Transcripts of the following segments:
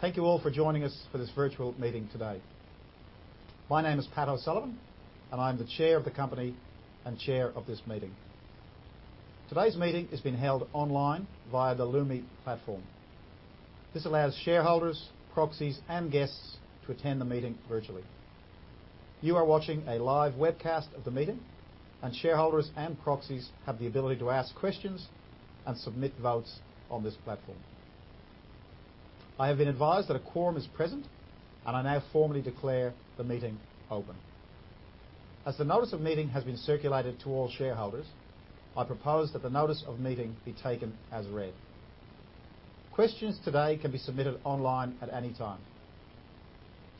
Thank you all for joining us for this virtual meeting today. My name is Pat O'Sullivan, and I'm the chair of the company and chair of this meeting. Today's meeting is being held online via the Lumi platform. This allows shareholders, proxies, and guests to attend the meeting virtually. You are watching a live webcast of the meeting, and shareholders and proxies have the ability to ask questions and submit votes on this platform. I have been advised that a quorum is present, and I now formally declare the meeting open. As the notice of meeting has been circulated to all shareholders, I propose that the notice of meeting be taken as read. Questions today can be submitted online at any time.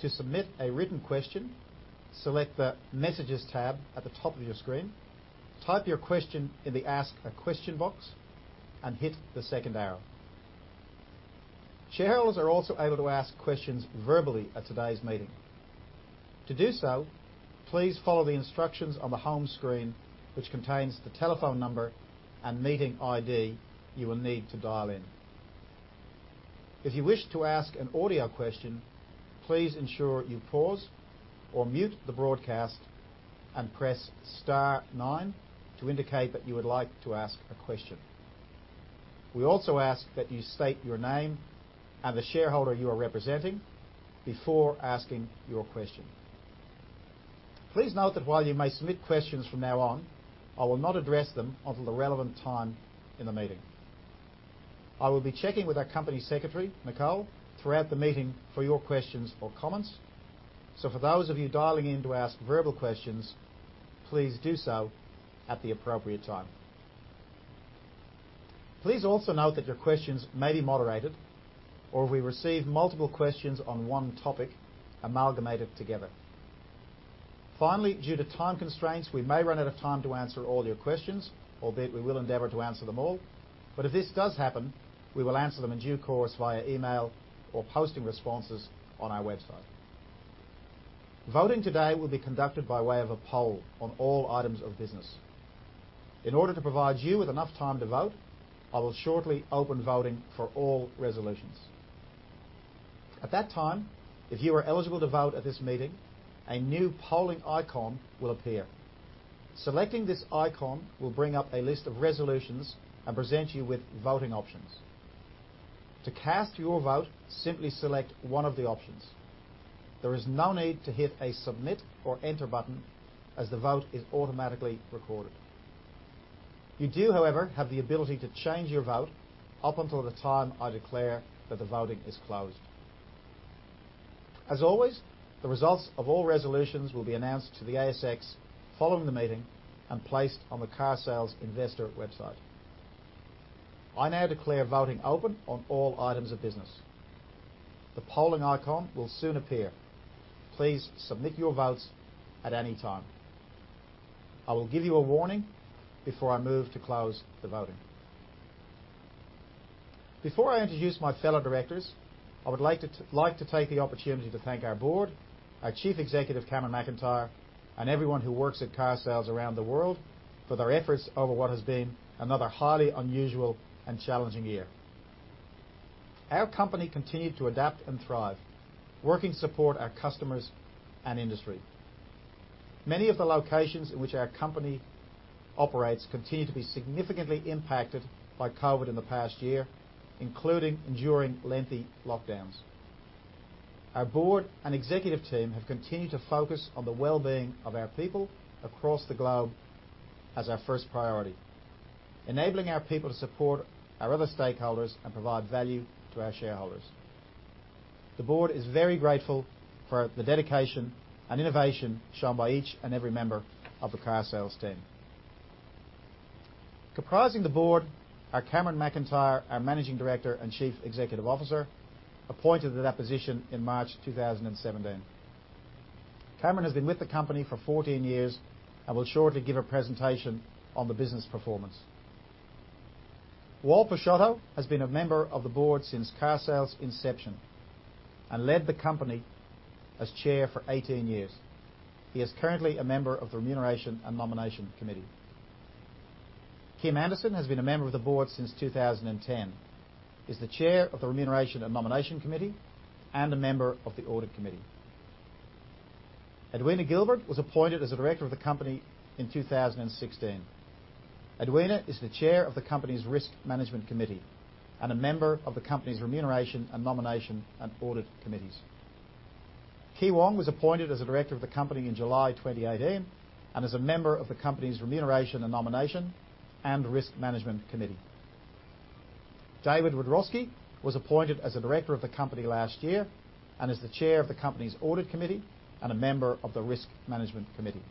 To submit a written question, select the Messages tab at the top of your screen. Type your question in the Ask a Question box and hit the second arrow. Shareholders are also able to ask questions verbally at today's meeting. To do so, please follow the instructions on the home screen, which contains the telephone number and meeting ID you will need to dial in. If you wish to ask an audio question, please ensure you pause or mute the broadcast and press star nine to indicate that you would like to ask a question. We also ask that you state your name and the shareholder you are representing before asking your question. Please note that while you may submit questions from now on, I will not address them until the relevant time in the meeting. I will be checking with our Company Secretary, Nicole, throughout the meeting for your questions or comments. For those of you dialing in to ask verbal questions, please do so at the appropriate time. Please also note that your questions may be moderated, or if we receive multiple questions on one topic amalgamated together. Finally, due to time constraints, we may run out of time to answer all your questions, albeit we will endeavor to answer them all. If this does happen, we will answer them in due course via email or posting responses on our website. Voting today will be conducted by way of a poll on all items of business. In order to provide you with enough time to vote, I will shortly open voting for all resolutions. At that time, if you are eligible to vote at this meeting, a new polling icon will appear. Selecting this icon will bring up a list of resolutions and present you with voting options. To cast your vote, simply select one of the options. There is no need to hit a submit or enter button as the vote is automatically recorded. You do, however, have the ability to change your vote up until the time I declare that the voting is closed. As always, the results of all resolutions will be announced to the ASX following the meeting and placed on the carsales investor website. I now declare voting open on all items of business. The polling icon will soon appear. Please submit your votes at any time. I will give you a warning before I move to close the voting. Before I introduce my fellow directors, I would like to take the opportunity to thank our board, our Chief Executive, Cameron McIntyre, and everyone who works at Carsales around the world for their efforts over what has been another highly unusual and challenging year. Our company continued to adapt and thrive, working to support our customers and industry. Many of the locations in which our company operates continue to be significantly impacted by COVID in the past year, including enduring lengthy lockdowns. Our board and executive team have continued to focus on the well-being of our people across the globe as our first priority, enabling our people to support our other stakeholders and provide value to our shareholders. The board is very grateful for the dedication and innovation shown by each and every member of the Carsales team. Comprising the board are Cameron McIntyre, our Managing Director and Chief Executive Officer, appointed to that position in March 2017. Cameron has been with the company for 14 years and will shortly give a presentation on the business performance. Wal Pisciotta has been a member of the board since carsales inception and led the company as Chair for 18 years. He is currently a member of the People & Culture Committee. Kim Anderson has been a member of the board since 2010, is the Chair of the People & Culture Committee and a member of the Audit Committee. Edwina Gilbert was appointed as a director of the company in 2016. Edwina is the Chair of the company's Risk Management Committee and a member of the company's Remuneration and Nomination and Audit Committees. Kee Wong was appointed as a director of the company in July 2018 and is a member of the company's Remuneration and Nomination and Risk Management Committee. David Wiadrowski was appointed as a director of the company last year and is the chair of the company's Audit Committee and a member of the Risk Management Committee.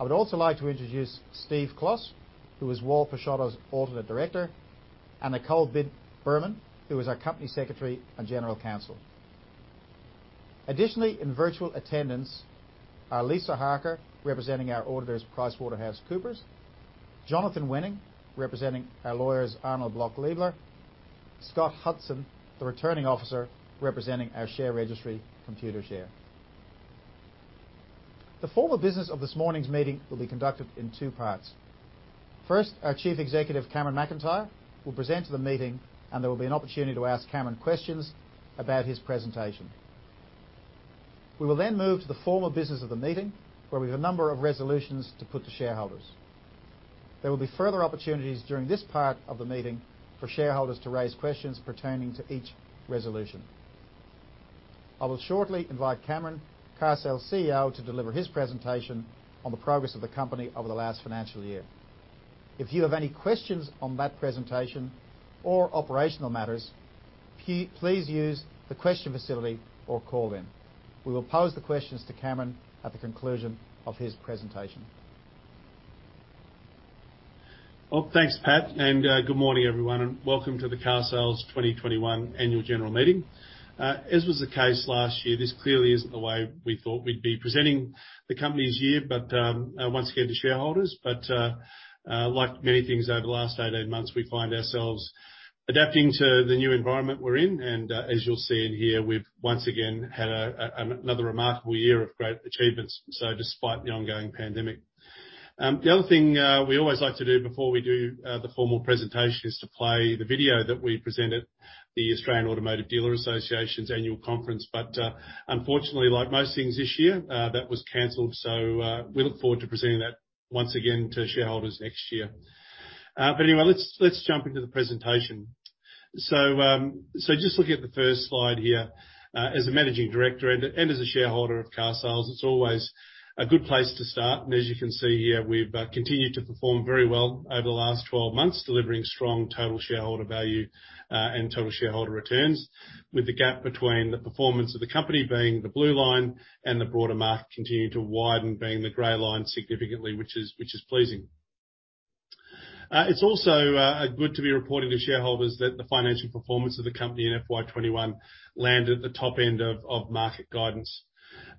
I would also like to introduce Steve Kloss, who is Wal Pisciotta's alternate director, and Nicole Birman, who is our company secretary and general counsel. Additionally, in virtual attendance are Lisa Harker, representing our auditors, PricewaterhouseCoopers, Jonathan Wenig, representing our lawyers, Arnold Bloch Leibler, Scott Hudson, the Returning Officer, representing our share registry, Computershare. The formal business of this morning's meeting will be conducted in two parts. First, our Chief Executive, Cameron McIntyre, will present to the meeting, and there will be an opportunity to ask Cameron questions about his presentation. We will then move to the formal business of the meeting, where we have a number of resolutions to put to shareholders. There will be further opportunities during this part of the meeting for shareholders to raise questions pertaining to each resolution. I will shortly invite Cameron, Carsales' CEO, to deliver his presentation on the progress of the company over the last financial year. If you have any questions on that presentation or operational matters, please use the question facility or call in. We will pose the questions to Cameron at the conclusion of his presentation. Well, thanks, Pat, and good morning, everyone, and welcome to the carsales 2021 Annual General Meeting. As was the case last year, this clearly isn't the way we thought we'd be presenting the company's year once again to shareholders. Like many things over the last 18 months, we find ourselves adapting to the new environment we're in. As you'll see in here, we've once again had another remarkable year of great achievements despite the ongoing pandemic. The other thing we always like to do before we do the formal presentation is to play the video that we present at the Australian Automotive Dealer Association's annual conference. Unfortunately, like most things this year, that was canceled, so we look forward to presenting that once again to shareholders next year. Anyway, let's jump into the presentation. Just looking at the first slide here, as a Managing Director and as a shareholder of carsales, it's always a good place to start. As you can see here, we've continued to perform very well over the last 12 months, delivering strong total shareholder value and total shareholder returns, with the gap between the performance of the company, the blue line, and the broader market, the gray line, continuing to widen significantly, which is pleasing. It's also good to be reporting to shareholders that the financial performance of the company in FY 2021 landed at the top end of market guidance.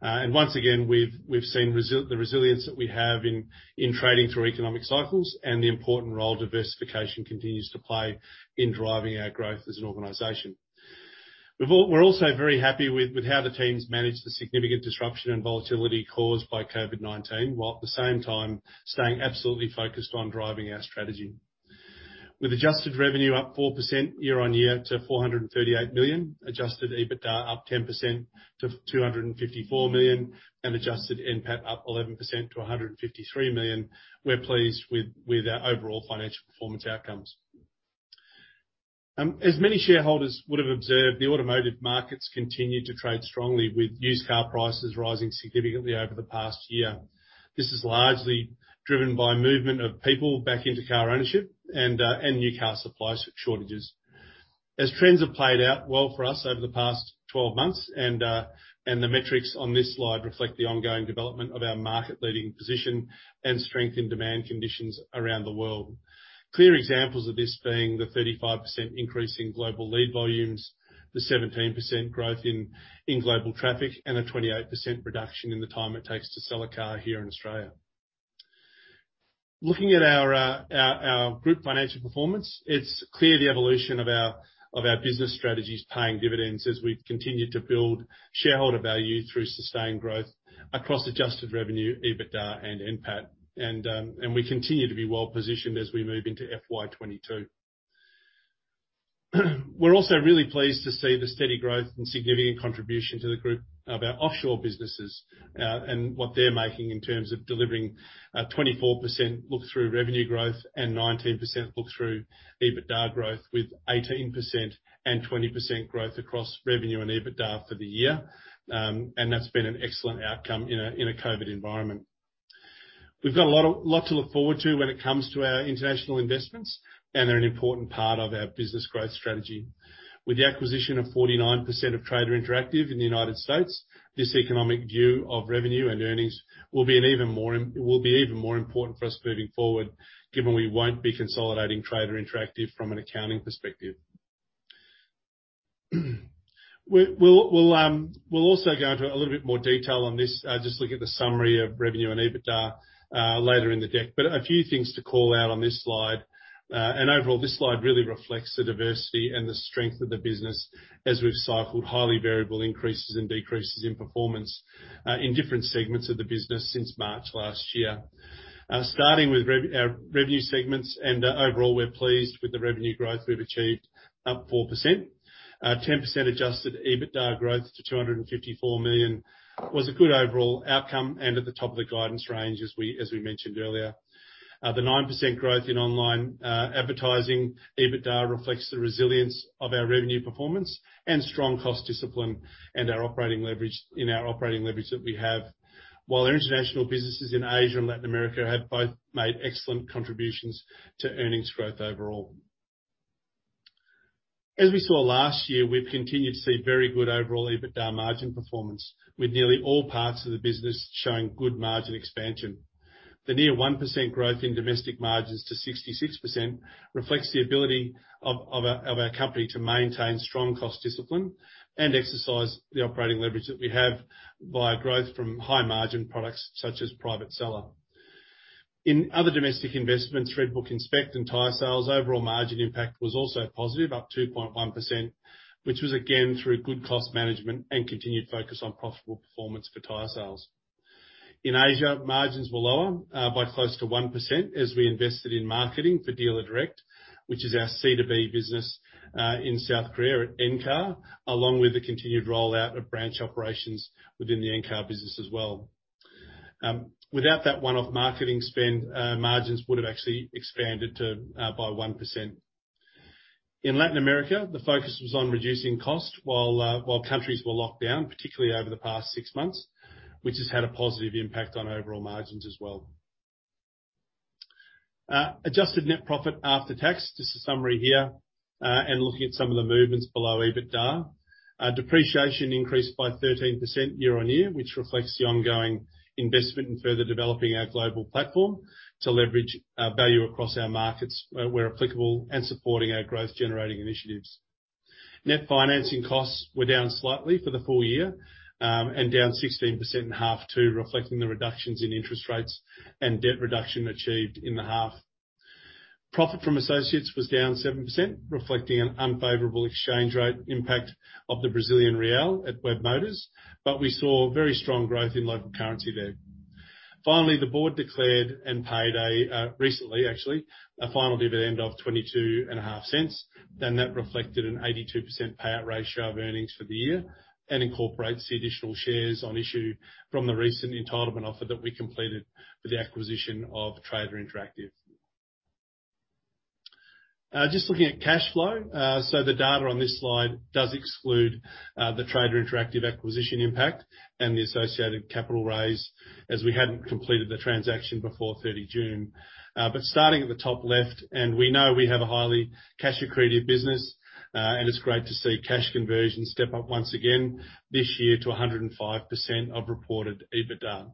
Once again, we've seen the resilience that we have in trading through economic cycles and the important role diversification continues to play in driving our growth as an organization. We're also very happy with how the teams managed the significant disruption and volatility caused by COVID-19, while at the same time staying absolutely focused on driving our strategy. With adjusted revenue up 4% year-on-year to 438 million, adjusted EBITDA up 10% to 254 million, and adjusted NPAT up 11% to 153 million, we're pleased with our overall financial performance outcomes. As many shareholders would have observed, the automotive markets continued to trade strongly with used car prices rising significantly over the past year. This is largely driven by movement of people back into car ownership and new car supply shortages. As trends have played out well for us over the past 12 months, and the metrics on this slide reflect the ongoing development of our market leading position and strength in demand conditions around the world. Clear examples of this being the 35% increase in global lead volumes, the 17% growth in global traffic, and a 28% reduction in the time it takes to sell a car here in Australia. Looking at our group financial performance, it's clear the evolution of our business strategy is paying dividends as we've continued to build shareholder value through sustained growth across adjusted revenue, EBITDA and NPAT. We continue to be well positioned as we move into FY 2022. We're also really pleased to see the steady growth and significant contribution to the group of our offshore businesses, and what they're making in terms of delivering 24% look-through revenue growth and 19% look-through EBITDA growth, with 18% and 20% growth across revenue and EBITDA for the year. That's been an excellent outcome in a COVID environment. We've got a lot to look forward to when it comes to our international investments, and they're an important part of our business growth strategy. With the acquisition of 49% of Trader Interactive in the United States, this economic view of revenue and earnings will be even more important for us moving forward, given we won't be consolidating Trader Interactive from an accounting perspective. We'll also go into a little bit more detail on this, just looking at the summary of revenue and EBITDA, later in the deck. A few things to call out on this slide. Overall, this slide really reflects the diversity and the strength of the business as we've cycled highly variable increases and decreases in performance, in different segments of the business since March last year. Starting with our revenue segments, overall, we're pleased with the revenue growth we've achieved, up 4%. 10% adjusted EBITDA growth to 254 million was a good overall outcome and at the top of the guidance range as we mentioned earlier. The 9% growth in online advertising EBITDA reflects the resilience of our revenue performance and strong cost discipline and our operating leverage that we have, while our international businesses in Asia and Latin America have both made excellent contributions to earnings growth overall. As we saw last year, we've continued to see very good overall EBITDA margin performance, with nearly all parts of the business showing good margin expansion. The near 1% growth in domestic margins to 66% reflects the ability of our company to maintain strong cost discipline and exercise the operating leverage that we have via growth from high-margin products such as Private Seller. In other domestic investments, RedBook Inspect and Tyresales overall margin impact was also positive, up 2.1%, which was again through good cost management and continued focus on profitable performance for Tyresales. In Asia, margins were lower by close to 1% as we invested in marketing for Dealer Direct, which is our C2B business, in South Korea at Encar, along with the continued rollout of branch operations within the Encar business as well. Without that one-off marketing spend, margins would have actually expanded by 1%. In Latin America, the focus was on reducing cost while countries were locked down, particularly over the past 6 months, which has had a positive impact on overall margins as well. Adjusted net profit after tax, just a summary here, and looking at some of the movements below EBITDA. Depreciation increased by 13% year-on-year, which reflects the ongoing investment in further developing our global platform to leverage value across our markets, where applicable, and supporting our growth generating initiatives. Net financing costs were down slightly for the full year, and down 16% in half two, reflecting the reductions in interest rates and debt reduction achieved in the half. Profit from associates was down 7%, reflecting an unfavorable exchange rate impact of the Brazilian real at Webmotors, but we saw very strong growth in local currency there. Finally, the board declared and paid actually a final dividend of 0.225, and that reflected an 82% payout ratio of earnings for the year and incorporates the additional shares on issue from the recent entitlement offer that we completed for the acquisition of Trader Interactive. Just looking at cash flow. The data on this slide does exclude the Trader Interactive acquisition impact and the associated capital raise, as we hadn't completed the transaction before 30 June. Starting at the top left, we know we have a highly cash-accretive business, and it's great to see cash conversion step up once again this year to 105% of reported EBITDA.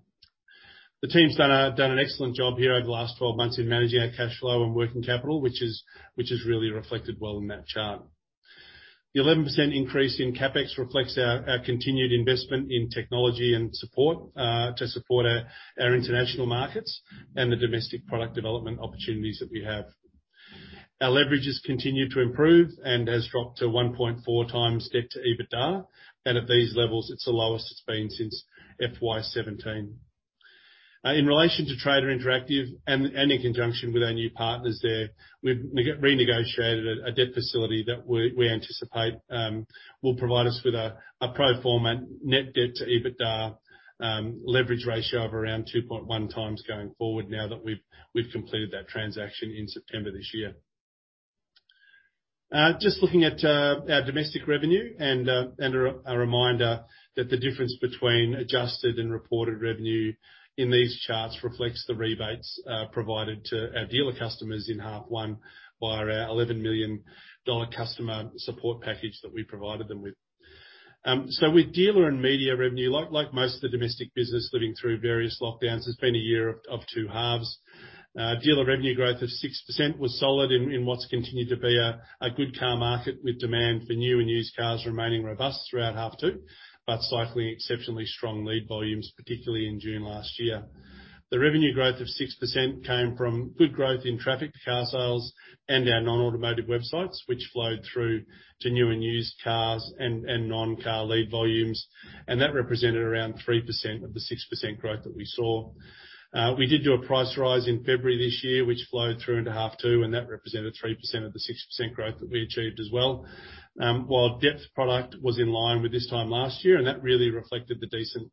The team's done an excellent job here over the last 12 months in managing our cash flow and working capital, which has really reflected well in that chart. The 11% increase in CapEx reflects our continued investment in technology and support to support our international markets and the domestic product development opportunities that we have. Our leverage has continued to improve and has dropped to 1.4 times debt to EBITDA. At these levels, it's the lowest it's been since FY 2017. In relation to Trader Interactive and in conjunction with our new partners there, we've renegotiated a debt facility that we anticipate will provide us with a pro forma net debt to EBITDA leverage ratio of around 2.1 times going forward now that we've completed that transaction in September this year. Just looking at our domestic revenue and a reminder that the difference between adjusted and reported revenue in these charts reflects the rebates provided to our dealer customers in half one via our 11 million dollar customer support package that we provided them with. With dealer and media revenue, like most of the domestic business living through various lockdowns, it's been a year of two halves. Dealer revenue growth of 6% was solid in what's continued to be a good car market, with demand for new and used cars remaining robust throughout half two, but cycling exceptionally strong lead volumes, particularly in June last year. The revenue growth of 6% came from good growth in traffic to carsales and our non-automotive websites, which flowed through to new and used cars and non-car lead volumes. That represented around 3% of the 6% growth that we saw. We did do a price rise in February this year, which flowed through into half two, and that represented 3% of the 6% growth that we achieved as well. While used product was in line with this time last year, and that really reflected the decent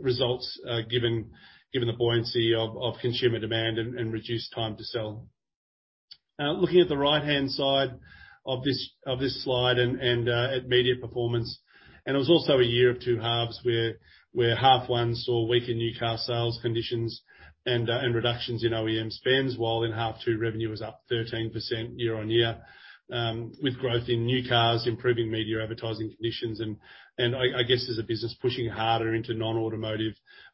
results given the buoyancy of consumer demand and reduced time to sell. Looking at the right-hand side of this slide and at media performance, it was also a year of two halves where half one saw weaker new car sales conditions and reductions in OEM spends, while in half two revenue was up 13% year-on-year with growth in new cars, improving media advertising conditions and I guess as a business pushing harder into non-automotive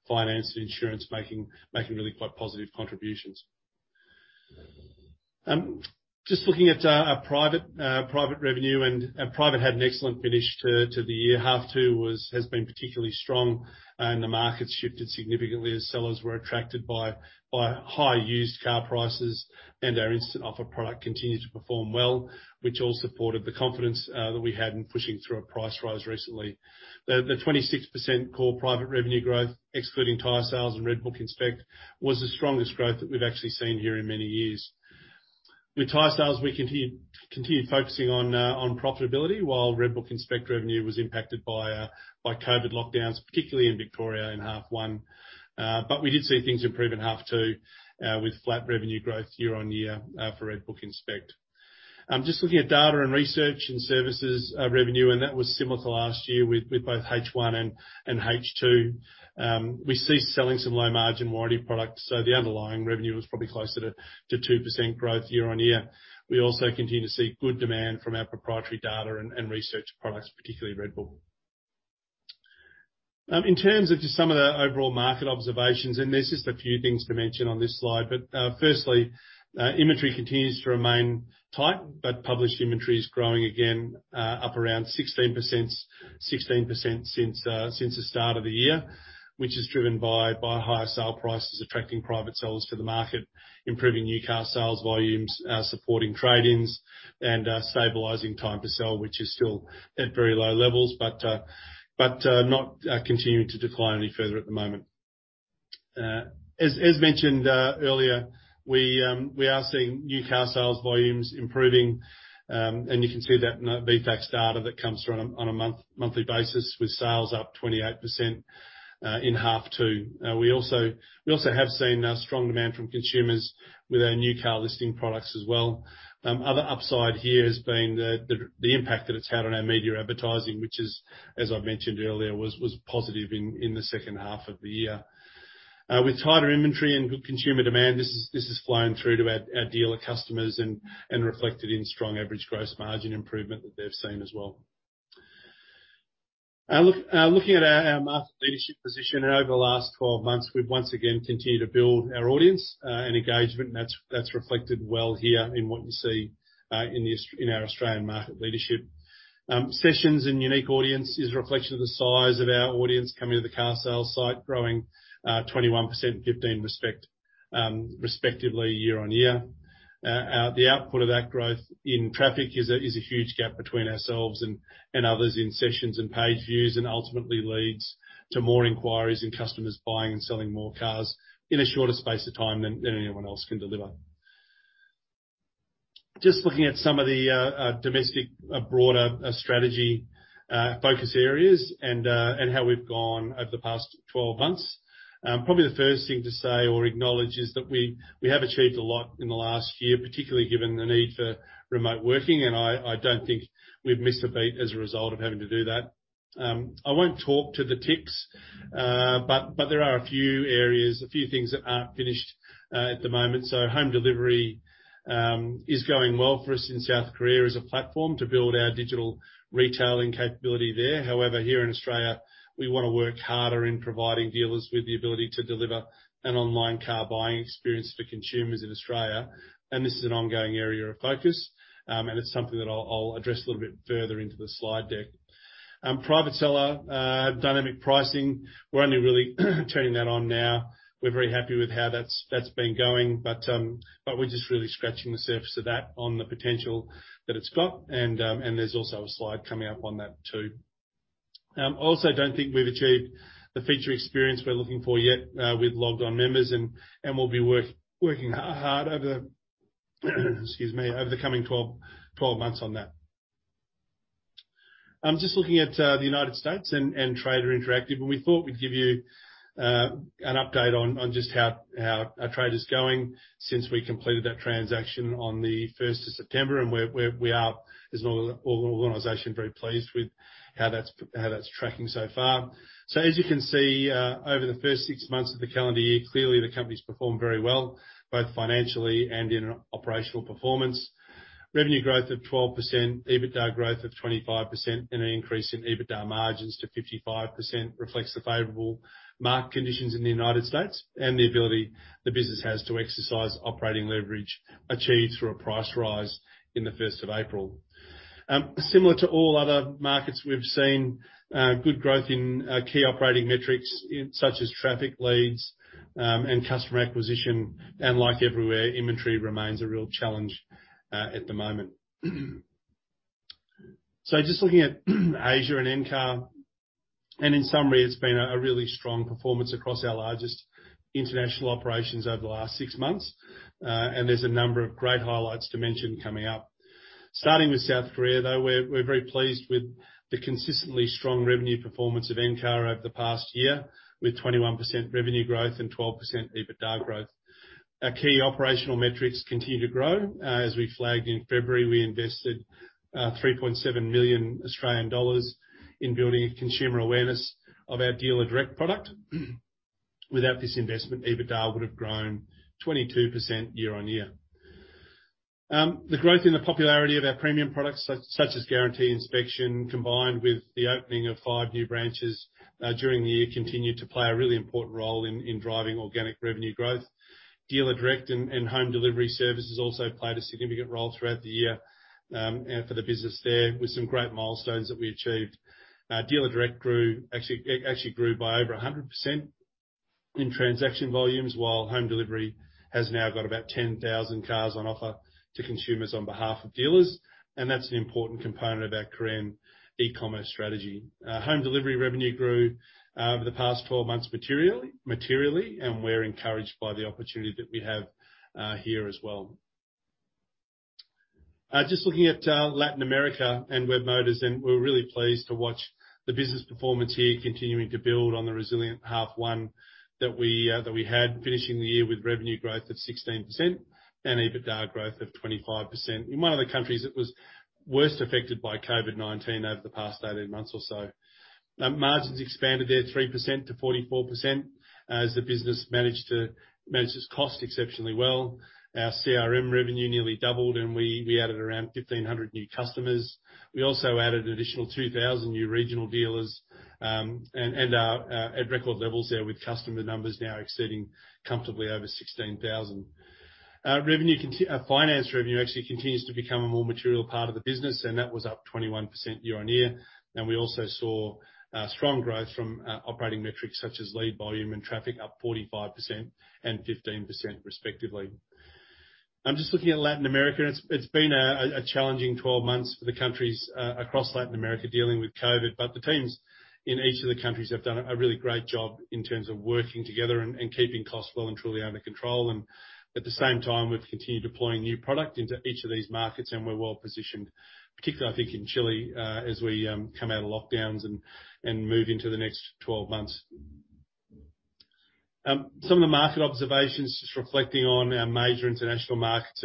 finance and insurance, making really quite positive contributions. Just looking at our private revenue and private had an excellent finish to the year. H2 has been particularly strong and the market shifted significantly as sellers were attracted by high used car prices and our Instant Offer product continued to perform well, which all supported the confidence that we had in pushing through a price rise recently. The 26% core private revenue growth, excluding tire sales and RedBook Inspect, was the strongest growth that we've actually seen here in many years. With tire sales, we continued focusing on profitability, while RedBook Inspect revenue was impacted by COVID lockdowns, particularly in Victoria in H1. But we did see things improve in H2 with flat revenue growth year-on-year for RedBook Inspect. Just looking at data and research and services revenue, and that was similar to last year with both H1 and H2. We ceased selling some low-margin warranty products, so the underlying revenue was probably closer to 2% growth year-on-year. We also continue to see good demand from our proprietary data and research products, particularly RedBook. In terms of just some of the overall market observations, there's just a few things to mention on this slide. Firstly, inventory continues to remain tight, but published inventory is growing again, up around 16% since the start of the year. Which is driven by higher sale prices attracting private sellers to the market, improving new car sales volumes supporting trade-ins, and stabilizing time to sell, which is still at very low levels but not continuing to decline any further at the moment. As mentioned earlier, we are seeing new car sales volumes improving. You can see that in our VFACTS data that comes out on a monthly basis with sales up 28% in H2. We also have seen a strong demand from consumers with our new car listing products as well. Other upside here has been the impact that it's had on our media advertising, which, as I've mentioned earlier, was positive in the second half of the year. With tighter inventory and good consumer demand, this is flowing through to our dealer customers and reflected in strong average gross margin improvement that they've seen as well. Looking at our market leadership position over the last 12 months, we've once again continued to build our audience and engagement, and that's reflected well here in what you see in our Australian market leadership. Sessions and unique audience is a reflection of the size of our audience coming to the carsales site, growing 21% and 15% respectively year-on-year. The output of that growth in traffic is a huge gap between ourselves and others in sessions and page views. Ultimately leads to more inquiries and customers buying and selling more cars in a shorter space of time than anyone else can deliver. Just looking at some of the domestic, broader strategy focus areas and how we've gone over the past 12 months. Probably the first thing to say or acknowledge is that we have achieved a lot in the last year, particularly given the need for remote working, and I don't think we've missed a beat as a result of having to do that. I won't talk to the techs, but there are a few areas, a few things that aren't finished at the moment. Home delivery is going well for us in South Korea as a platform to build our digital retailing capability there. However, here in Australia, we wanna work harder in providing dealers with the ability to deliver an online car buying experience for consumers in Australia. This is an ongoing area of focus. It's something that I'll address a little bit further into the slide deck. Private Seller, dynamic pricing, we're only really turning that on now. We're very happy with how that's been going, but we're just really scratching the surface of that on the potential that it's got. There's also a slide coming up on that too. I also don't think we've achieved the feature experience we're looking for yet with logged-on members and we'll be working hard over the coming 12 months on that. Just looking at the United States and Trader Interactive, and we thought we'd give you an update on just how Trader's going since we completed that transaction on the first of September. We are as an organization very pleased with how that's tracking so far. As you can see, over the first six months of the calendar year, clearly the company's performed very well, both financially and in operational performance. Revenue growth of 12%, EBITDA growth of 25%, and an increase in EBITDA margins to 55% reflects the favorable market conditions in the United States and the ability the business has to exercise operating leverage achieved through a price rise in the first of April. Similar to all other markets, we've seen good growth in key operating metrics, such as traffic leads, and customer acquisition. Like everywhere, inventory remains a real challenge at the moment. Just looking at Asia and Encar. In summary, it's been a really strong performance across our largest international operations over the last six months. There's a number of great highlights to mention coming up. Starting with South Korea, though, we're very pleased with the consistently strong revenue performance of Encar over the past year, with 21% revenue growth and 12% EBITDA growth. Our key operational metrics continue to grow. As we flagged in February, we invested 3.7 million Australian dollars in building consumer awareness of our Dealer Direct product. Without this investment, EBITDA would have grown 22% year-on-year. The growth in the popularity of our premium products such as Guaranteed Inspection, combined with the opening of five new branches during the year, continued to play a really important role in driving organic revenue growth. Dealer Direct and home delivery services also played a significant role throughout the year for the business there, with some great milestones that we achieved. Dealer Direct grew, actually, it grew by over 100% in transaction volumes, while home delivery has now got about 10,000 cars on offer to consumers on behalf of dealers. That's an important component of our Korean e-commerce strategy. Home delivery revenue grew over the past 12 months materially, and we're encouraged by the opportunity that we have here as well. Just looking at Latin America and Webmotors, we're really pleased to watch the business performance here continuing to build on the resilient half one that we had, finishing the year with revenue growth of 16% and EBITDA growth of 25%. In one of the countries that was worst affected by COVID-19 over the past 18 months or so. Margins expanded there 3%-44%, as the business managed its cost exceptionally well. Our CRM revenue nearly doubled, and we added around 1,500 new customers. We also added an additional 2,000 new regional dealers, and are at record levels there with customer numbers now exceeding comfortably over 16,000. Finance revenue actually continues to become a more material part of the business, and that was up 21% year-on-year. We also saw strong growth from operating metrics such as lead volume and traffic, up 45% and 15% respectively. I'm just looking at Latin America, and it's been a challenging 12 months for the countries across Latin America dealing with COVID. The teams in each of the countries have done a really great job in terms of working together and keeping costs well and truly under control. At the same time, we've continued deploying new product into each of these markets, and we're well positioned, particularly I think in Chile, as we come out of lockdowns and move into the next 12 months. Some of the market observations, just reflecting on our major international markets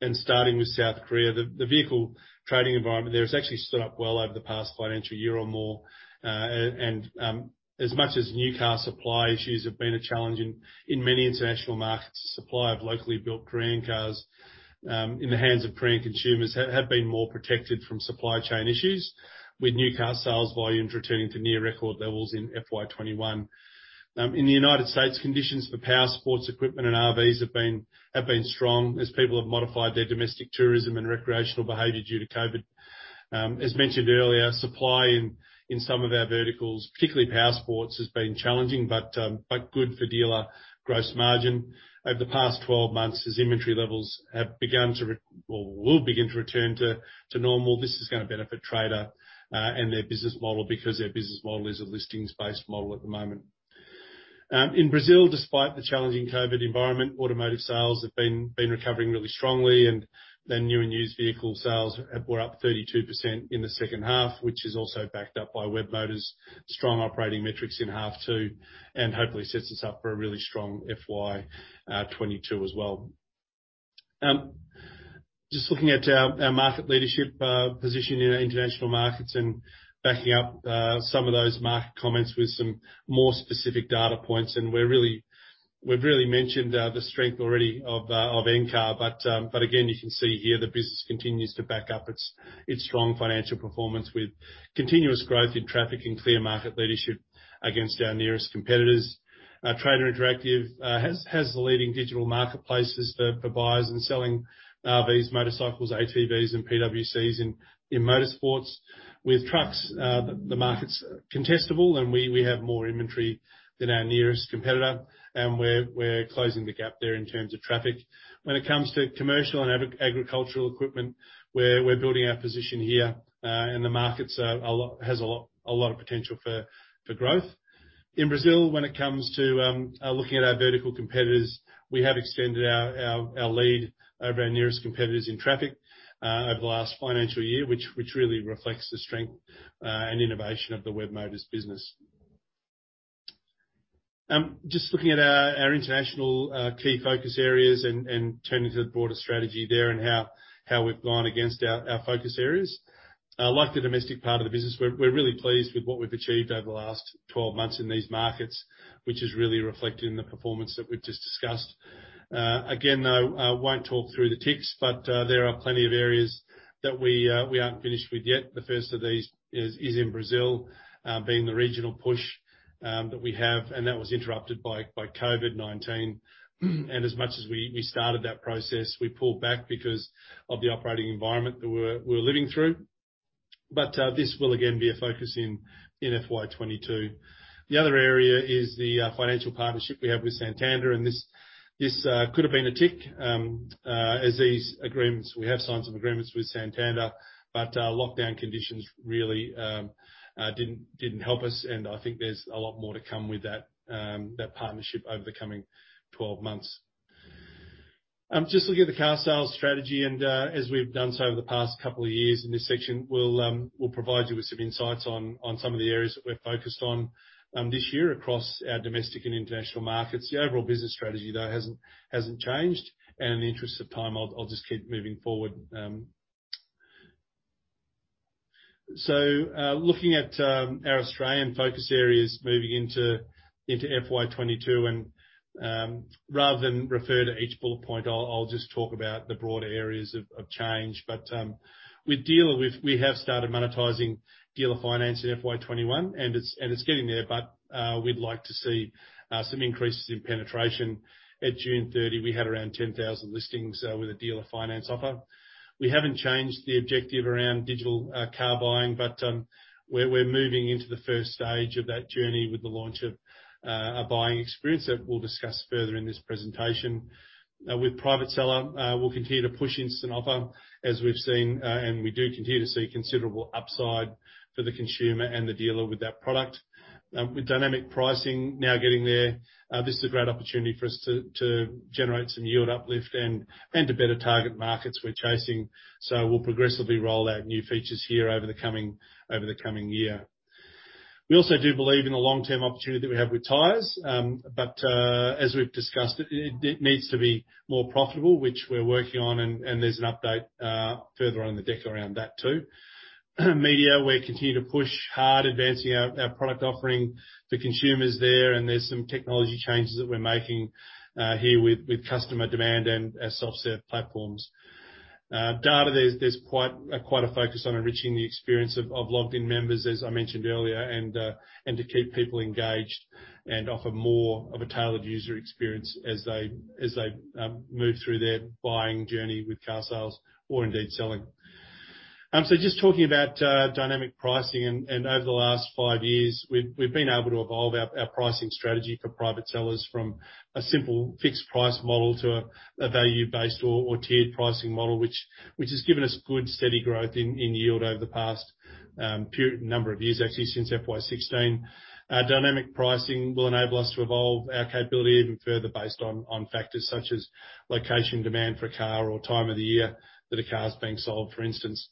and starting with South Korea. The vehicle trading environment there has actually stood up well over the past financial year or more. As much as new car supply issues have been a challenge in many international markets, supply of locally built Korean cars in the hands of Korean consumers have been more protected from supply chain issues, with new car sales volume returning to near record levels in FY 2021. In the United States, conditions for power sports equipment and RVs have been strong as people have modified their domestic tourism and recreational behavior due to COVID. As mentioned earlier, supply in some of our verticals, particularly power sports, has been challenging, but good for dealer gross margin. Over the past 12 months, as inventory levels have begun to or will begin to return to normal, this is gonna benefit Trader and their business model because their business model is a listings-based model at the moment. In Brazil, despite the challenging COVID environment, automotive sales have been recovering really strongly and their new and used vehicle sales were up 32% in the second half, which is also backed up by webmotors' strong operating metrics in half two and hopefully sets us up for a really strong FY 2022 as well. Just looking at our market leadership position in our international markets and backing up some of those market comments with some more specific data points. We've really mentioned the strength already of Encar. Again, you can see here the business continues to back up its strong financial performance with continuous growth in traffic and clear market leadership against our nearest competitors. Trader Interactive has the leading digital marketplaces for buying and selling RVs, motorcycles, ATVs and PWCs in powersports. With trucks, the market's contestable, and we have more inventory than our nearest competitor, and we're closing the gap there in terms of traffic. When it comes to commercial and agricultural equipment, we're building our position here, and the markets have a lot of potential for growth. In Brazil, when it comes to looking at our vertical competitors, we have extended our lead over our nearest competitors in traffic over the last financial year, which really reflects the strength and innovation of the webmotors business. Just looking at our international key focus areas and turning to the broader strategy there and how we've gone against our focus areas. Like the domestic part of the business, we're really pleased with what we've achieved over the last 12 months in these markets, which is really reflected in the performance that we've just discussed. Again, though, I won't talk through the ticks, but there are plenty of areas that we aren't finished with yet. The first of these is in Brazil, being the regional push that we have, and that was interrupted by COVID-19. As much as we started that process, we pulled back because of the operating environment that we're living through. This will again be a focus in FY 2022. The other area is the financial partnership we have with Santander. This could have been a tick. We have signed some agreements with Santander, but lockdown conditions really didn't help us, and I think there's a lot more to come with that partnership over the coming 12 months. Just looking at the carsales strategy and as we've done so over the past couple of years in this section, we'll provide you with some insights on some of the areas that we're focused on this year across our domestic and international markets. The overall business strategy, though, hasn't changed. In the interest of time, I'll just keep moving forward. Looking at our Australian focus areas moving into FY 2022. Rather than refer to each bullet point, I'll just talk about the broader areas of change. With Dealer we have started monetizing Dealer Finance in FY 2021 and it's getting there, but we'd like to see some increases in penetration. At June 30, we had around 10,000 listings with a Dealer Finance offer. We haven't changed the objective around digital car buying, but we're moving into the first stage of that journey with the launch of a buying experience that we'll discuss further in this presentation. With Private Seller, we'll continue to push Instant Offer, as we've seen, and we do continue to see considerable upside for the consumer and the dealer with that product. With dynamic pricing now getting there, this is a great opportunity for us to generate some yield uplift and to better target markets we're chasing. We'll progressively roll out new features here over the coming year. We also do believe in the long-term opportunity that we have with tires. As we've discussed, it needs to be more profitable, which we're working on, and there's an update further on the deck around that too. Media, we're continuing to push hard, advancing our product offering for consumers there, and there's some technology changes that we're making here with customer demand and our self-serve platforms. Data, there's quite a focus on enriching the experience of logged in members, as I mentioned earlier, and to keep people engaged and offer more of a tailored user experience as they move through their buying journey with carsales or indeed selling. Just talking about dynamic pricing. Over the last five years, we've been able to evolve our pricing strategy for private sellers from a simple fixed price model to a value-based or tiered pricing model, which has given us good steady growth in yield over the past number of years, actually since FY 2016. Dynamic pricing will enable us to evolve our capability even further based on factors such as location, demand for a car, or time of the year that a car is being sold, for instance.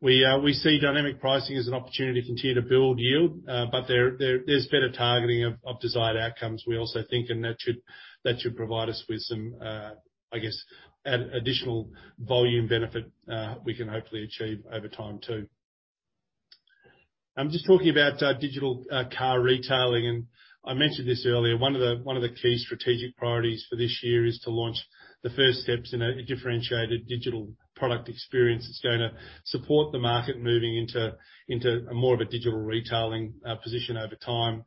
We see dynamic pricing as an opportunity to continue to build yield, but there's better targeting of desired outcomes we also think, and that should provide us with some, I guess additional volume benefit we can hopefully achieve over time too. Just talking about digital car retailing, and I mentioned this earlier, one of the key strategic priorities for this year is to launch the first steps in a differentiated digital product experience that's gonna support the market moving into a more of a digital retailing position over time.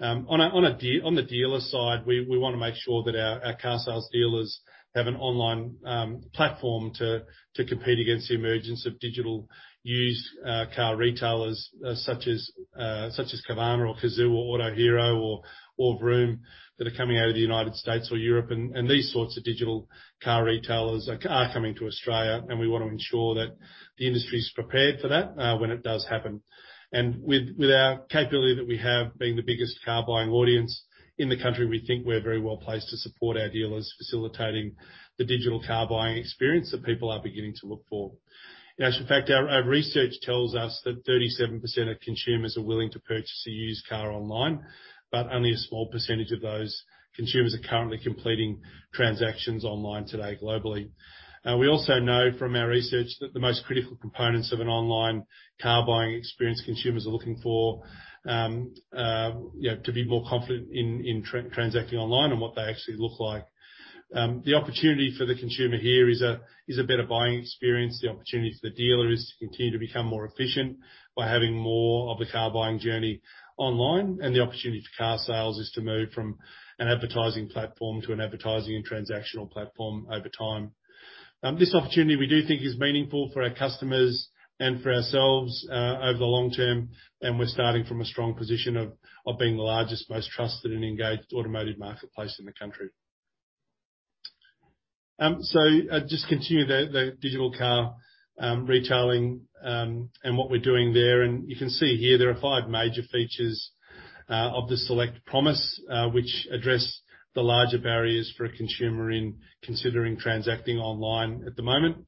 On the dealer side, we wanna make sure that our carsales dealers have an online platform to compete against the emergence of digital used car retailers such as Carvana or Cazoo or Autohero or Vroom that are coming out of the United States or Europe. These sorts of digital car retailers are coming to Australia, and we want to ensure that the industry is prepared for that when it does happen. With our capability that we have, being the biggest car buying audience in the country, we think we're very well placed to support our dealers facilitating the digital car buying experience that people are beginning to look for. In actual fact, our research tells us that 37% of consumers are willing to purchase a used car online, but only a small percentage of those consumers are currently completing transactions online today globally. We also know from our research that the most critical components of an online car buying experience consumers are looking for to be more confident in transacting online and what they actually look like. The opportunity for the consumer here is a better buying experience. The opportunity for the dealer is to continue to become more efficient by having more of the car buying journey online. The opportunity for carsales is to move from an advertising platform to an advertising and transactional platform over time. This opportunity we do think is meaningful for our customers and for ourselves over the long term, and we're starting from a strong position of being the largest, most trusted and engaged automotive marketplace in the country. Just continue the digital car retailing and what we're doing there. You can see here there are five major features of the Select promise which address the larger barriers for a consumer in considering transacting online at the moment.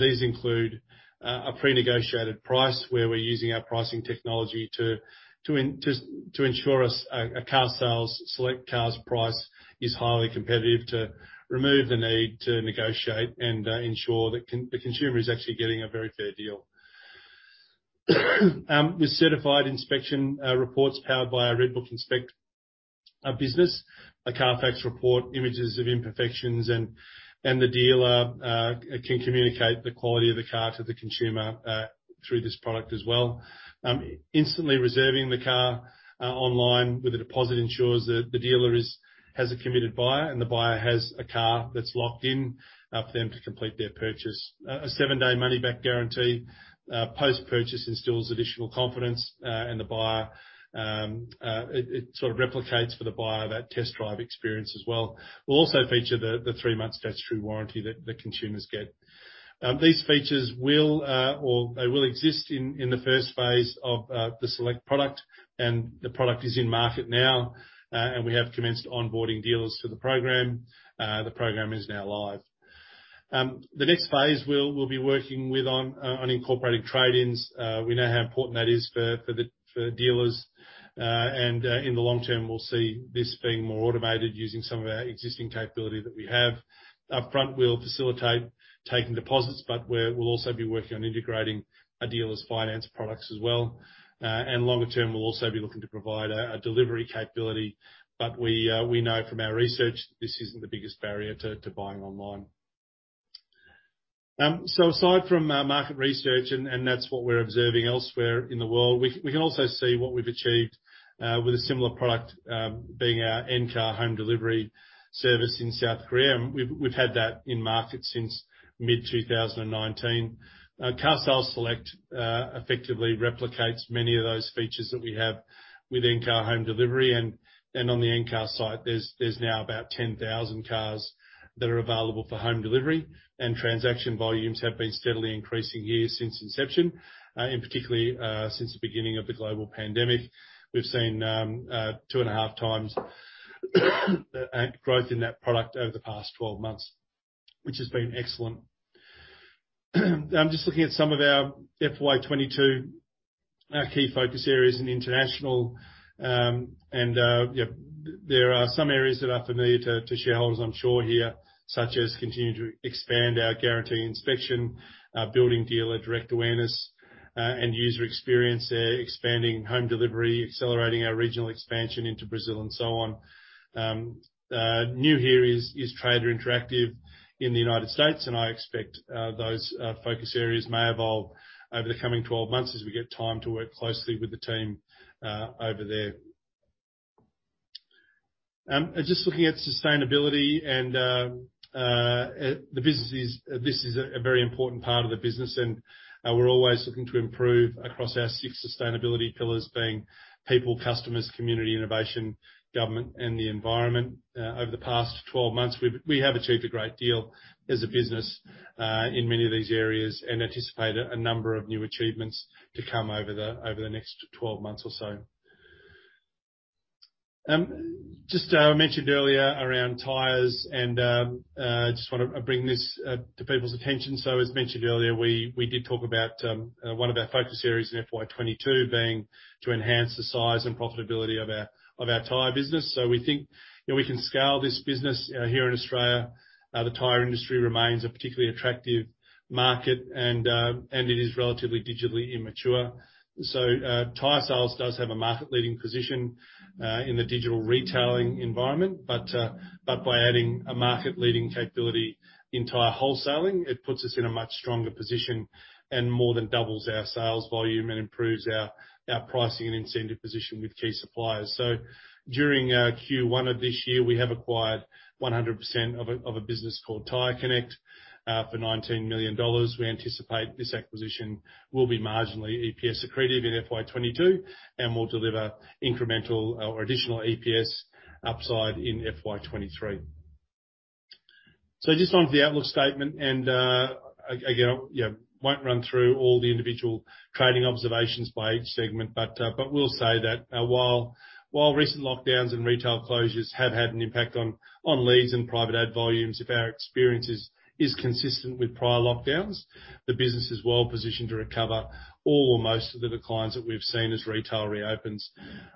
These include a pre-negotiated price where we're using our pricing technology to ensure a carsales SELECT car's price is highly competitive to remove the need to negotiate and ensure the consumer is actually getting a very fair deal. With certified inspection reports powered by our RedBook Inspect business. A CarFacts report, images of imperfections, and the dealer can communicate the quality of the car to the consumer through this product as well. Instantly reserving the car online with a deposit ensures that the dealer has a committed buyer and the buyer has a car that's locked in for them to complete their purchase. A 7-day money-back guarantee post-purchase instills additional confidence in the buyer. It sort of replicates for the buyer that test drive experience as well. We'll also feature the 3-month statutory warranty that the consumers get. These features will exist in the first phase of the Select product, and the product is in market now. We have commenced onboarding dealers for the program. The program is now live. The next phase we'll be working on incorporating trade-ins. We know how important that is for the dealers. In the long term, we'll see this being more automated using some of our existing capability that we have. Upfront, we'll facilitate taking deposits, but we'll also be working on integrating a dealer's finance products as well. In the long term, we'll also be looking to provide a delivery capability. But we know from our research this isn't the biggest barrier to buying online. Aside from market research and that's what we're observing elsewhere in the world, we can also see what we've achieved with a similar product, being our Encar home delivery service in South Korea. We've had that in market since mid-2019. carsales SELECT effectively replicates many of those features that we have with Encar home delivery. On the Encar site, there's now about 10,000 cars that are available for home delivery, and transaction volumes have been steadily increasing here since inception. In particular, since the beginning of the global pandemic, we've seen 2.5 times growth in that product over the past 12 months, which has been excellent. Just looking at some of our FY 2022 key focus areas in international. Yeah, there are some areas that are familiar to shareholders, I'm sure here, such as continuing to expand our Guaranteed Inspection, building Dealer Direct awareness, and user experience. Expanding home delivery, accelerating our regional expansion into Brazil and so on. New here is Trader Interactive in the United States, and I expect those focus areas may evolve over the coming 12 months as we get time to work closely with the team over there. Just looking at sustainability and the business. This is a very important part of the business, and we're always looking to improve across our six sustainability pillars being people, customers, community, innovation, government and the environment. Over the past 12 months, we have achieved a great deal as a business in many of these areas and anticipate a number of new achievements to come over the next 12 months or so. Just, I mentioned earlier around tires and just wanna bring this to people's attention. As mentioned earlier, we did talk about one of our focus areas in FY 2022 being to enhance the size and profitability of our tire business. We think, you know, we can scale this business here in Australia. The tire industry remains a particularly attractive market and it is relatively digitally immature. Tyresales does have a market-leading position in the digital retailing environment, but by adding a market-leading capability in tire wholesaling, it puts us in a much stronger position and more than doubles our sales volume and improves our pricing and incentive position with key suppliers. During Q1 of this year, we have acquired 100% of a business called TyreConnect for AUD 19 million. We anticipate this acquisition will be marginally EPS accretive in FY 2022 and will deliver incremental or additional EPS upside in FY 2023. Just onto the outlook statement, and again, you know, won't run through all the individual trading observations by each segment, but will say that while recent lockdowns and retail closures have had an impact on leads and private ad volumes, if our experience is consistent with prior lockdowns, the business is well positioned to recover all or most of the declines that we've seen as retail reopens.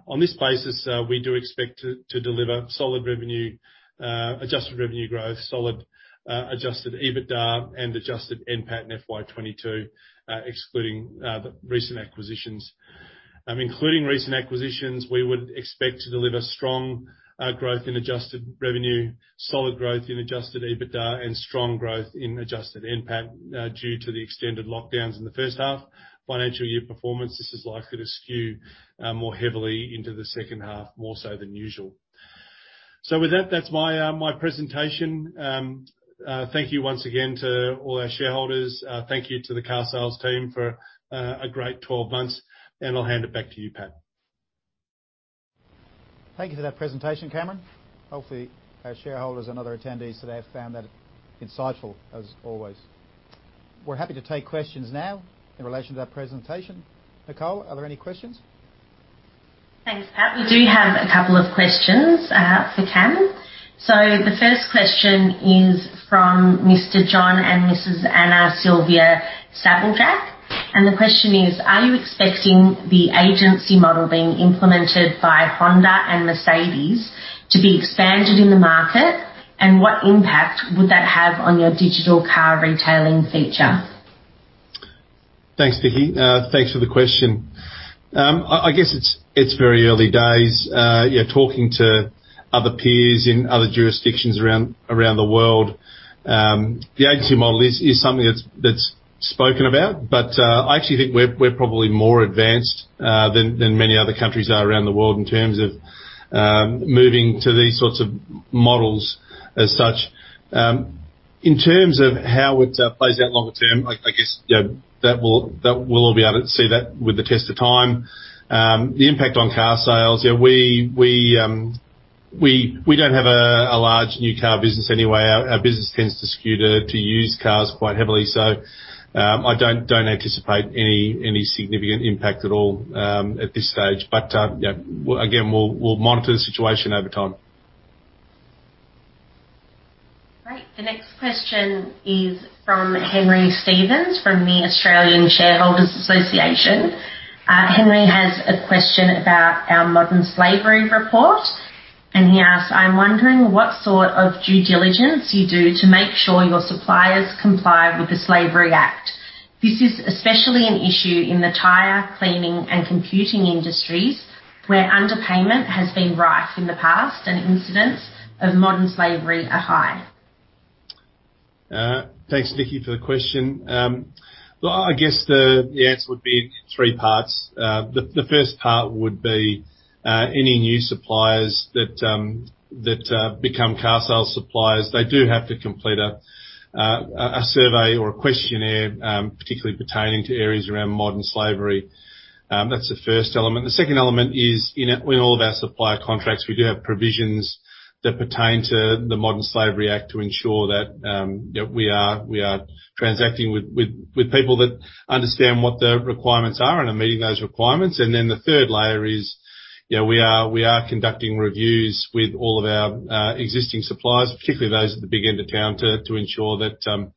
On this basis, we do expect to deliver solid adjusted revenue growth, solid adjusted EBITDA and adjusted NPAT in FY 2022, excluding the recent acquisitions. Including recent acquisitions, we would expect to deliver strong growth in adjusted revenue, solid growth in adjusted EBITDA, and strong growth in adjusted NPAT. Due to the extended lockdowns in the first half financial year performance, this is likely to skew more heavily into the second half, more so than usual. With that's my presentation. Thank you once again to all our shareholders. Thank you to the carsales team for a great 12 months, and I'll hand it back to you, Pat. Thank you for that presentation, Cameron. Hopefully our shareholders and other attendees today have found that insightful as always. We're happy to take questions now in relation to that presentation. Nicole, are there any questions? Thanks, Pat. We do have a couple of questions for Cameron. The first question is from Mr. John and Mrs. Anna Sylvia Sabljak. And the question is: Are you expecting the agency model being implemented by Honda and Mercedes-Benz to be expanded in the market? And what impact would that have on your digital car retailing feature? Thanks, Nikki. Thanks for the question. I guess it's very early days. You know, talking to other peers in other jurisdictions around the world, the agency model is something that's spoken about. I actually think we're probably more advanced than many other countries are around the world in terms of moving to these sorts of models as such. In terms of how it plays out longer term, I guess, you know, that we'll all be able to see that with the test of time. The impact on car sales, you know, we don't have a large new car business anyway. Our business tends to skew to used cars quite heavily. I don't anticipate any significant impact at all at this stage. You know, again, we'll monitor the situation over time. Great. The next question is from Henry Stevens from the Australian Shareholders' Association. Henry has a question about our modern slavery report, and he asks, "I'm wondering what sort of due diligence you do to make sure your suppliers comply with the Slavery Act. This is especially an issue in the tire, cleaning, and computing industries where underpayment has been rife in the past and incidents of modern slavery are high. Thanks, Nikki, for the question. Well, I guess the answer would be in three parts. The first part would be any new suppliers that become carsales suppliers. They do have to complete a survey or a questionnaire, particularly pertaining to areas around modern slavery. That's the first element. The second element is in all of our supplier contracts. We do have provisions that pertain to the Modern Slavery Act to ensure that, you know, we are transacting with people that understand what the requirements are and are meeting those requirements. The third layer is, you know, we are conducting reviews with all of our existing suppliers, particularly those at the big end of town, to ensure that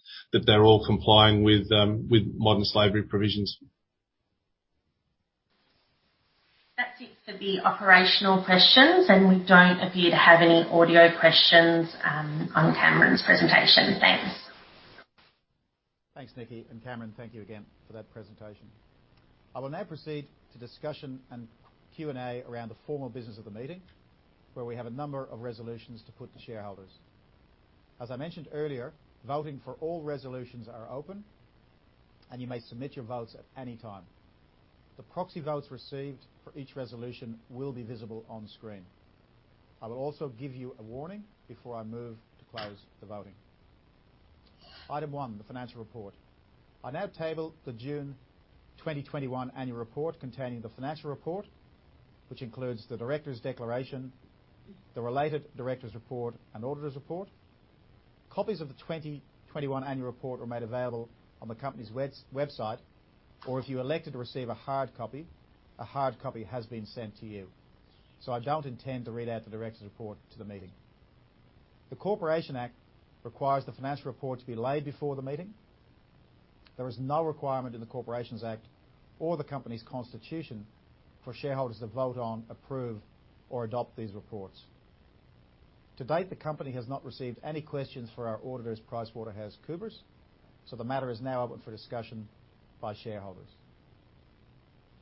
they're all complying with Modern Slavery provisions. That's it for the operational questions, and we don't appear to have any audio questions on Cameron's presentation. Thanks. Thanks, Nikki, and Cameron, thank you again for that presentation. I will now proceed to discussion and Q&A around the formal business of the meeting, where we have a number of resolutions to put to shareholders. As I mentioned earlier, voting for all resolutions are open, and you may submit your votes at any time. The proxy votes received for each resolution will be visible on screen. I will also give you a warning before I move to close the voting. Item one, the financial report. I now table the June 2021 annual report containing the financial report, which includes the directors' declaration, the related directors' report, and auditors' report. Copies of the 2021 annual report were made available on the company's website, or if you elected to receive a hard copy, a hard copy has been sent to you. I don't intend to read out the directors' report to the meeting. The Corporations Act requires the financial report to be laid before the meeting. There is no requirement in the Corporations Act or the company's constitution for shareholders to vote on, approve, or adopt these reports. To date, the company has not received any questions for our auditors, PricewaterhouseCoopers, so the matter is now open for discussion by shareholders.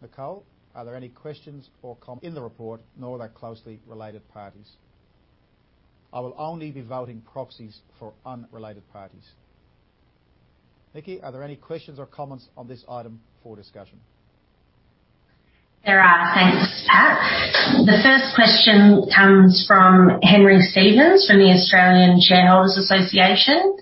Nicole, are there any questions or comments on the report. No interests in the resolution, nor their closely related parties. I will only be voting proxies for unrelated parties. Nikki, are there any questions or comments on this item for discussion? There are. Thanks, Pat. The first question comes from Henry Stevens from the Australian Shareholders' Association,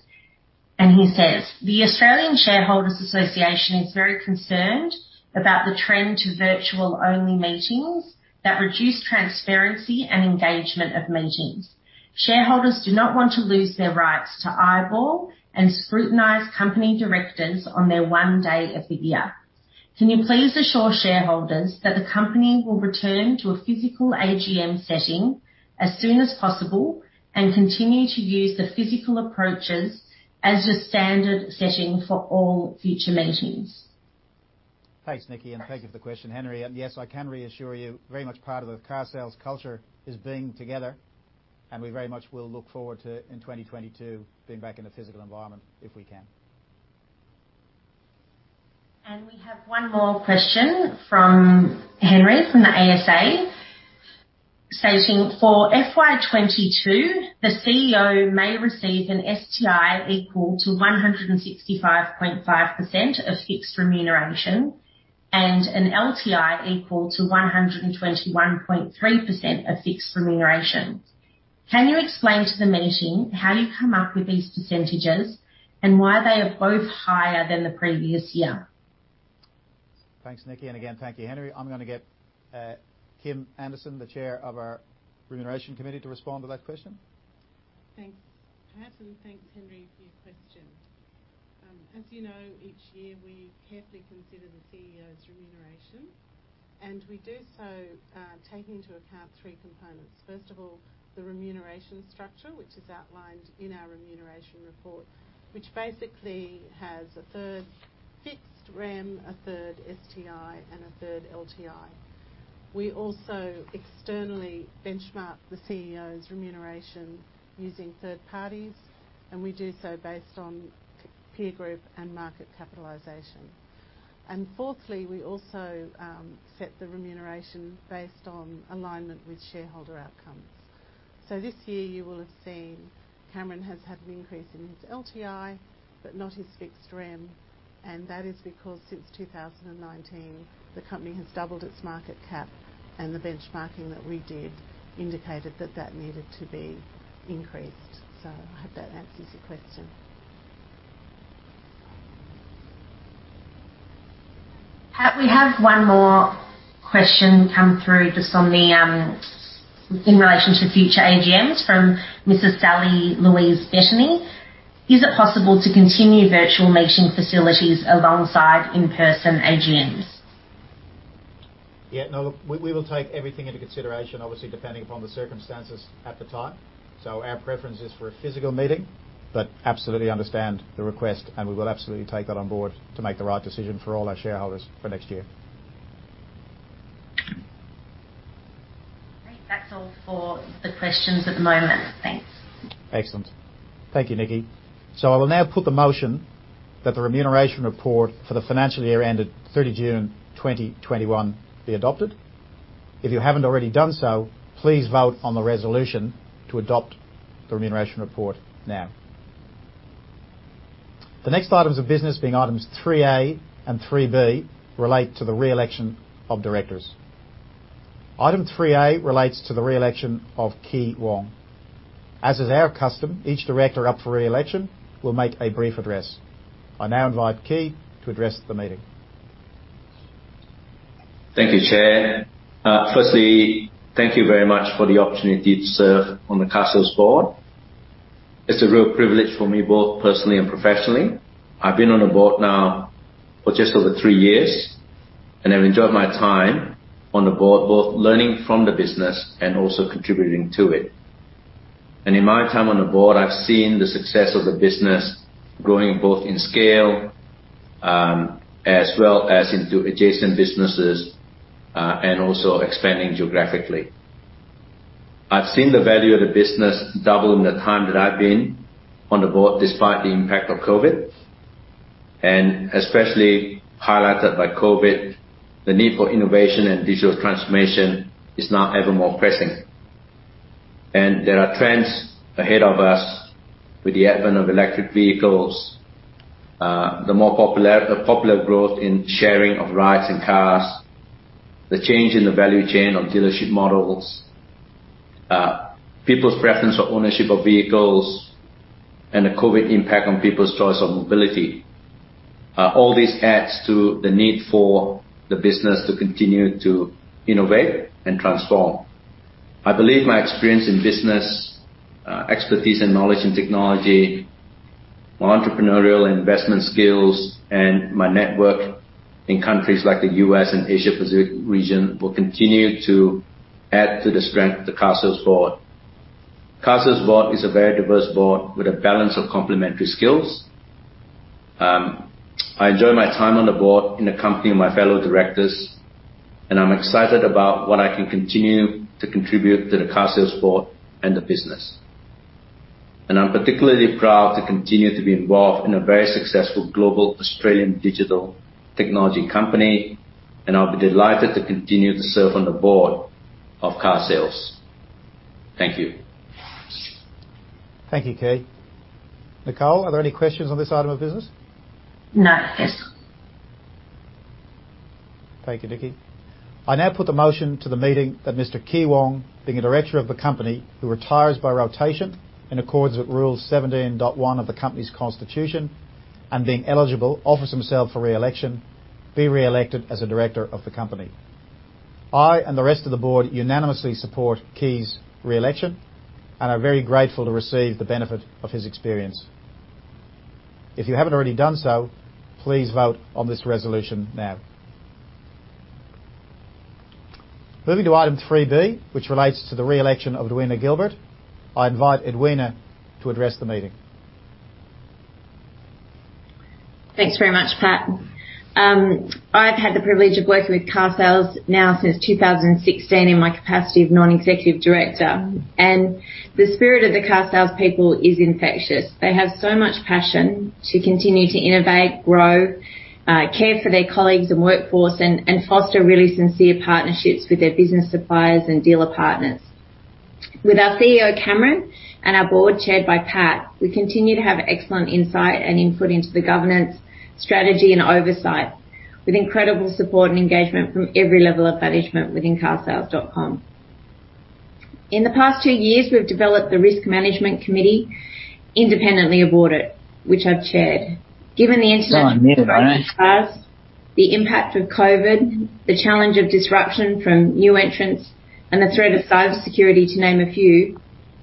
and he says, "The Australian Shareholders' Association is very concerned about the trend to virtual-only meetings that reduce transparency and engagement of meetings. Shareholders do not want to lose their rights to eyeball and scrutinize company directors on their one day of the year. Can you please assure shareholders that the company will return to a physical AGM setting as soon as possible and continue to use the physical approaches as the standard setting for all future meetings? Thanks, Nikki, and thank you for the question, Henry. Yes, I can reassure you, very much part of the carsales culture is being together, and we very much will look forward to, in 2022, being back in a physical environment if we can. We have one more question from Henry from the ASA stating, "For FY 2022, the CEO may receive an STI equal to 165.5% of fixed remuneration and an LTI equal to 121.3% of fixed remuneration. Can you explain to the meeting how you come up with these percentages and why they are both higher than the previous year? Thanks, Nikki. Again, thank you, Henry. I'm gonna get Kim Anderson, the chair of our Remuneration Committee, to respond to that question. Thanks, Pat, and thanks, Henry, for your question. As you know, each year, we carefully consider the CEO's remuneration, and we do so taking into account three components. First of all, the remuneration structure, which is outlined in our remuneration report, which basically has a third fixed rem, a third STI, and a third LTI. We also externally benchmark the CEO's remuneration using third parties, and we do so based on peer group and market capitalization. Fourthly, we also set the remuneration based on alignment with shareholder outcomes. This year you will have seen Cameron has had an increase in his LTI but not his fixed rem, and that is because since 2019, the company has doubled its market cap, and the benchmarking that we did indicated that that needed to be increased. I hope that answers your question. Pat, we have one more question come through just on the, in relation to future AGMs from Mrs. Sally Louise Bettany. Is it possible to continue virtual meeting facilities alongside in-person AGMs? Yeah, no, we will take everything into consideration, obviously, depending upon the circumstances at the time. Our preference is for a physical meeting, but absolutely understand the request, and we will absolutely take that on board to make the right decision for all our shareholders for next year. Great. That's all for the questions at the moment. Thanks. Excellent. Thank you, Nikki. I will now put the motion that the remuneration report for the financial year ended 30 June 2021 be adopted. If you haven't already done so, please vote on the resolution to adopt the remuneration report now. The next items of business being items 3A and 3B relate to the re-election of directors. Item 3A relates to the re-election of Kee Wong. As is our custom, each director up for re-election will make a brief address. I now invite Kee to address the meeting. Thank you, Chair. Firstly, thank you very much for the opportunity to serve on the carsales board. It's a real privilege for me, both personally and professionally. I've been on the board now for just over three years, and I've enjoyed my time on the board, both learning from the business and also contributing to it. In my time on the board, I've seen the success of the business growing both in scale, as well as into adjacent businesses, and also expanding geographically. I've seen the value of the business double in the time that I've been on the board despite the impact of COVID. Especially highlighted by COVID, the need for innovation and digital transformation is now ever more pressing. There are trends ahead of us with the advent of electric vehicles, the more popular growth in sharing of rides and cars, the change in the value chain of dealership models, people's preference for ownership of vehicles, and the COVID impact on people's choice of mobility. All this adds to the need for the business to continue to innovate and transform. I believe my experience in business, expertise and knowledge in technology, my entrepreneurial investment skills, and my network in countries like the U.S. and Asia Pacific region will continue to add to the strength of the Carsales board. Carsales board is a very diverse board with a balance of complementary skills. I enjoy my time on the board in the company of my fellow directors, and I'm excited about what I can continue to contribute to the Carsales board and the business. I'm particularly proud to continue to be involved in a very successful global Australian digital technology company, and I'll be delighted to continue to serve on the board of carsales. Thank you. Thank you, Kee. Nicole, are there any questions on this item of business? No, thanks. Thank you, Nikki. I now put the motion to the meeting that Mr. Kee Wong, being a director of the company, who retires by rotation in accordance with Rule 17.1 of the company's constitution, and being eligible, offers himself for re-election, be re-elected as a director of the company. I and the rest of the board unanimously support Kee's re-election and are very grateful to receive the benefit of his experience. If you haven't already done so, please vote on this resolution now. Moving to item 3B, which relates to the re-election of Edwina Gilbert. I invite Edwina to address the meeting. Thanks very much, Pat. I've had the privilege of working with carsales now since 2016 in my capacity of non-executive director. The spirit of the carsales people is infectious. They have so much passion to continue to innovate, grow, care for their colleagues and workforce, and foster really sincere partnerships with their business suppliers and dealer partners. With our CEO, Cameron, and our board chaired by Pat, we continue to have excellent insight and input into the governance, strategy and oversight, with incredible support and engagement from every level of management within carsales.com. In the past two years, we've developed the Risk Management Committee independently of audit, which I've chaired. Given the incident- Oh, near the right. The impact of COVID, the challenge of disruption from new entrants and the threat of cybersecurity, to name a few,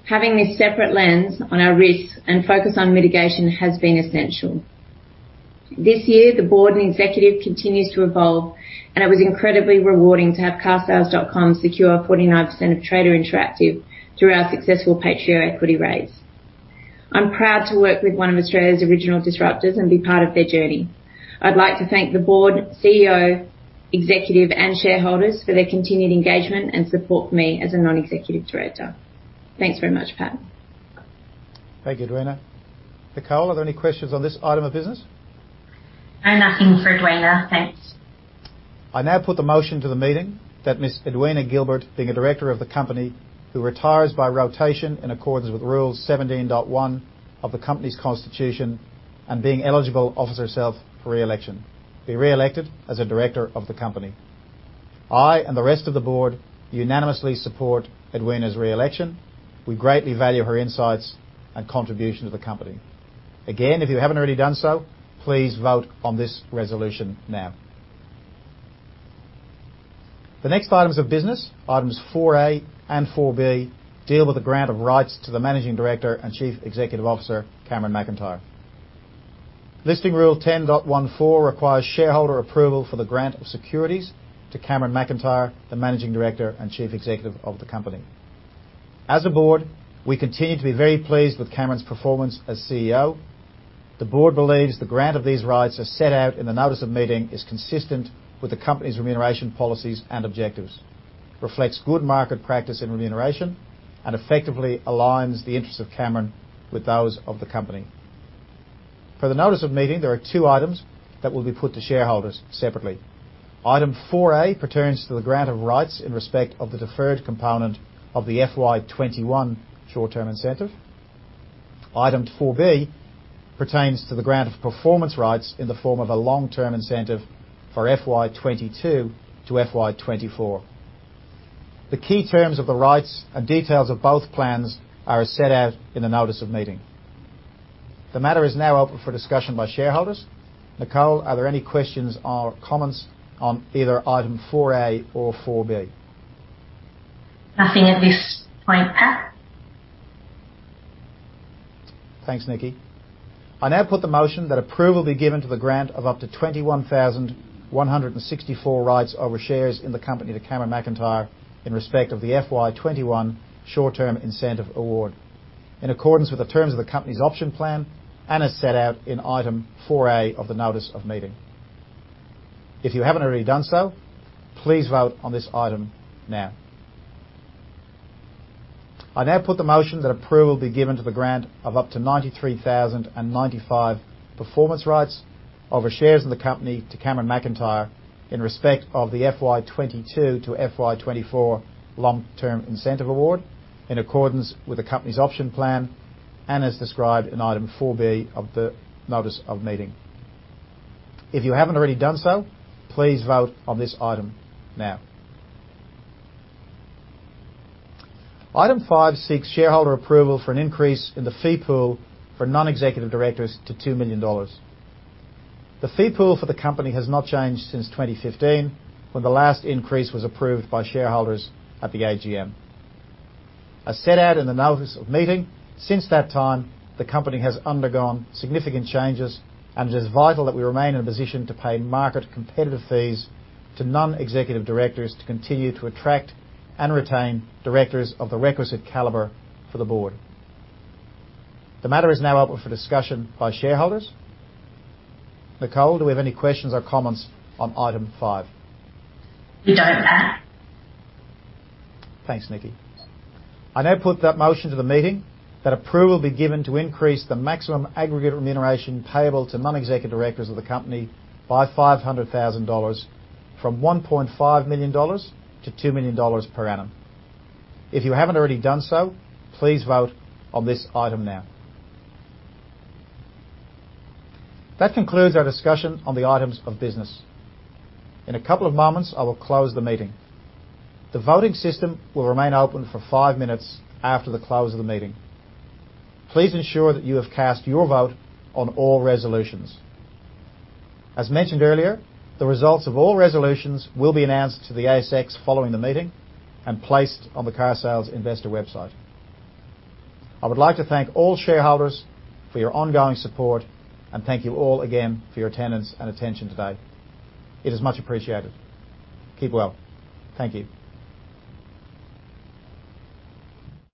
having this separate lens on our risks and focus on mitigation has been essential. This year, the board and executive continues to evolve, and it was incredibly rewarding to have carsales.com secure 49% of Trader Interactive through our successful pro rata equity raise. I'm proud to work with one of Australia's original disruptors and be part of their journey. I'd like to thank the board, CEO, executive, and shareholders for their continued engagement and support for me as a non-executive director. Thanks very much, Pat. Thank you, Edwina. Nicole, are there any questions on this item of business? No, nothing for Edwina. Thanks. I now put the motion to the meeting that Ms. Edwina Gilbert, being a director of the company, who retires by rotation in accordance with Rule 17.1 of the company's constitution and being eligible, offers herself for re-election, be re-elected as a director of the company. I and the rest of the board unanimously support Edwina's re-election. We greatly value her insights and contribution to the company. Again, if you haven't already done so, please vote on this resolution now. The next items of business, items 4A and 4B, deal with the grant of rights to the Managing Director and Chief Executive Officer, Cameron McIntyre. Listing Rule 10.14 requires shareholder approval for the grant of securities to Cameron McIntyre, the Managing Director and Chief Executive of the company. As a board, we continue to be very pleased with Cameron's performance as CEO. The board believes the grant of these rights, as set out in the notice of meeting, is consistent with the company's remuneration policies and objectives, reflects good market practice in remuneration, and effectively aligns the interests of Cameron with those of the company. Per the notice of meeting, there are two items that will be put to shareholders separately. Item 4A pertains to the grant of rights in respect of the deferred component of the FY 2021 short-term incentive. Item 4B pertains to the grant of performance rights in the form of a long-term incentive for FY 2022 to FY 2024. The key terms of the rights and details of both plans are set out in the notice of meeting. The matter is now open for discussion by shareholders. Nicole, are there any questions or comments on either Item 4A or 4B? Nothing at this point, Pat. Thanks, Nikki. I now put the motion that approval be given to the grant of up to 21,164 rights over shares in the company to Cameron McIntyre in respect of the FY 2021 short-term incentive award in accordance with the terms of the company's option plan and as set out in item 4A of the notice of meeting. If you haven't already done so, please vote on this item now. I now put the motion that approval be given to the grant of up to 93,095 performance rights over shares in the company to Cameron McIntyre in respect of the FY 2022 to FY 2024 long-term incentive award in accordance with the company's option plan and as described in item 4B of the notice of meeting. If you haven't already done so, please vote on this item now. Item five seeks shareholder approval for an increase in the fee pool for non-executive directors to 2 million dollars. The fee pool for the company has not changed since 2015, when the last increase was approved by shareholders at the AGM. As set out in the notice of meeting, since that time, the company has undergone significant changes, and it is vital that we remain in a position to pay market competitive fees to non-executive directors to continue to attract and retain directors of the requisite caliber for the board. The matter is now open for discussion by shareholders. Nicole, do we have any questions or comments on item five? We don't, Pat. Thanks, Nikki. I now put that motion to the meeting that approval be given to increase the maximum aggregate remuneration payable to non-executive directors of the company by 500,000 dollars from 1.5 million dollars to 2 million dollars per annum. If you haven't already done so, please vote on this item now. That concludes our discussion on the items of business. In a couple of moments, I will close the meeting. The voting system will remain open for 5 minutes after the close of the meeting. Please ensure that you have cast your vote on all resolutions. As mentioned earlier, the results of all resolutions will be announced to the ASX following the meeting and placed on the carsales investor website. I would like to thank all shareholders for your ongoing support and thank you all again for your attendance and attention today. It is much appreciated. Keep well. Thank you.